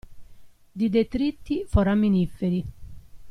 Di detriti foraminiferi.